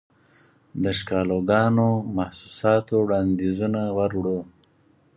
دښکالوګانو، محسوساتووړاندیزونه وروړو